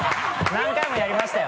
何回もやりましたよ。